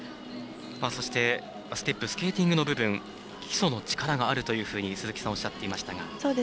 そしてステップスケーティングの部分基礎の力があるとおっしゃっていましたが。